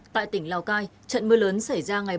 tại tỉnh lào cai trận mưa lớn xảy ra trong những ngày qua